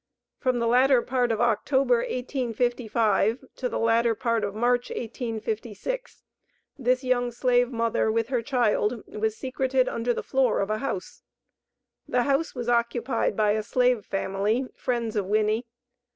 From the latter part of October, 1855, to the latter part of March, 1856, this young slave mother, with her child, was secreted under the floor of a house. The house was occupied by a slave family, friends of Winnie.